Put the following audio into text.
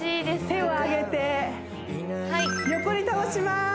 手を上げて横に倒します